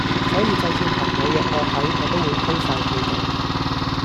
所以就算朋友約我睇我都會推曬佢地